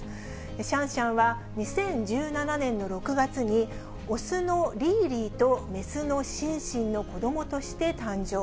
シャンシャンは２０１７年の６月に、雄のリーリーと雌のシンシンの子どもとして誕生。